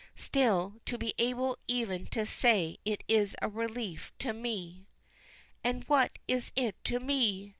Still, to be able even to say it is a relief to me." "And what is it to me?"